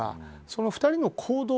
その２人の行動